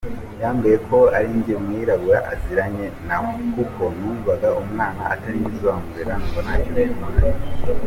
Yabwiye ko arinjye mwirabura aziranye nawe kuko numvaga umwana atarinjye uzamurera numva ntacyo bintwaye”.